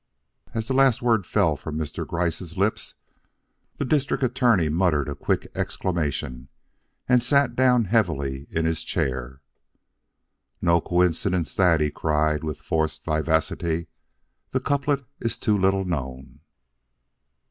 '" As the last word fell from Mr. Gryce's lips, the District Attorney muttered a quick exclamation, and sat down heavily in his chair. "No coincidence that," he cried, with forced vivacity. "The couplet is too little known."